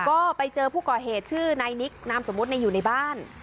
ก็ไปเจอผู้ก่อเหตุชื่อนายนิกนามสมมุติอยู่ในบ้าน